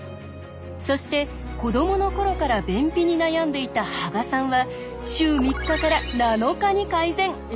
そして子どもの頃から便秘に悩んでいた芳賀さんは週３日から７日に改善！